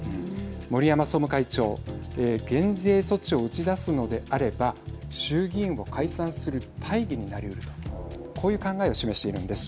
森山総務会長減税措置を打ち出すのであれば衆議院を解散する大義になりうるとこういう考えを示しているんです。